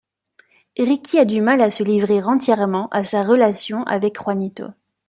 Ricky a du mal à se livrer entièrement à sa relation avec Juanito.